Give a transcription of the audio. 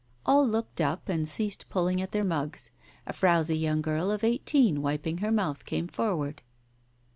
All looked up, and ceased pulling at their mugs. A frowsy young girl of eighteen, wiping her mouth, came forward.